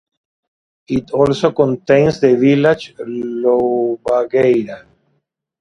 It also contains the village Loubagueira.